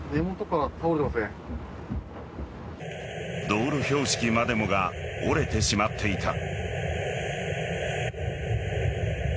道路標識までもが折れてしまっていた。